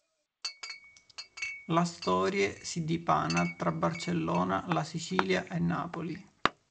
La storie si dipana tra Barcellona, la Sicilia e Napoli.